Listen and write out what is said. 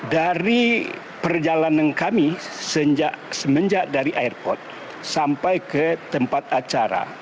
dari perjalanan kami semenjak dari airport sampai ke tempat acara